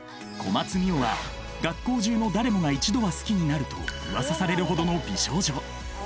小松澪は学校中の誰もが一度は好きになるとうわさされるほどの美少女。